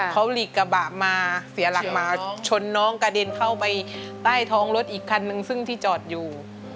เขาหลีกกระบะมาเสียหลักมาชนน้องกระเด็นเข้าไปใต้ท้องรถอีกคันนึงซึ่งที่จอดอยู่